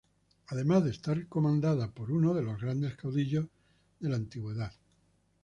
Además de estar comandada por uno de los grandes caudillos de la antigüedad.